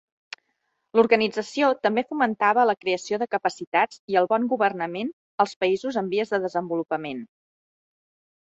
L'organització també fomentava la creació de capacitats i el bon governament als països en vies de desenvolupament.